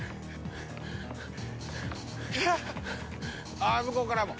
ああ向こうからも。